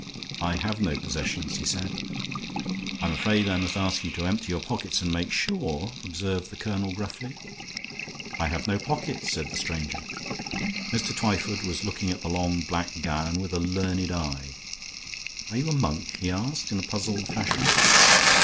"I have no possessions," he said. "I'm afraid I must ask you to empty your pockets and make sure," observed the colonel, gruffly. "I have no pockets," said the stranger. Mr. Twyford was looking at the long black gown with a learned eye. "Are you a monk?" he asked, in a puzzled fashion.